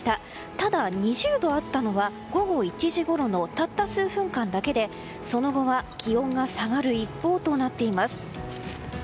ただ、２０度あったのは午後１時ごろのたった数分間だけでその後は気温が下がる一方となっています。